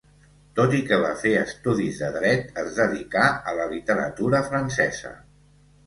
Tot i que va fer estudis de dret, es dedicà a la literatura francesa.